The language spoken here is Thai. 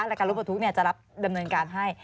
รายการรถประทุกข์จะรับดำเนินการให้